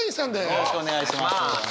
よろしくお願いします。